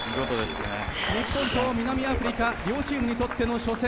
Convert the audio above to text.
日本、南アフリカ両チームにとっての初戦。